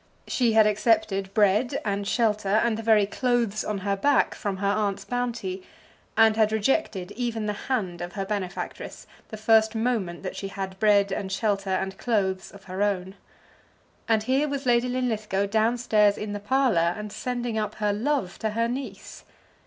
She had accepted bread, and shelter, and the very clothes on her back from her aunt's bounty, and had rejected even the hand of her benefactress the first moment that she had bread, and shelter, and clothes of her own. And here was Lady Linlithgow down stairs in the parlour, and sending up her love to her niece!